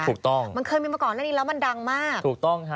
ถูกต้องมันเคยมีมาก่อนหน้านี้แล้วมันดังมากถูกต้องฮะ